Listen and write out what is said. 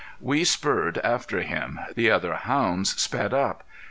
We spurred after him. The other hounds sped by.